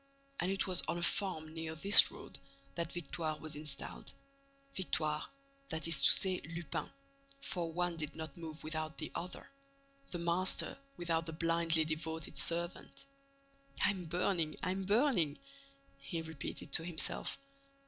And it was on a farm near this road that Victoire was installed, Victoire, that is to say, Lupin, for one did not move without the other, the master without the blindly devoted servant. "I'm burning! I'm burning!" he repeated to himself.